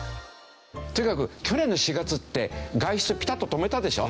とにかく去年の４月って外出ピタッと止めたでしょ。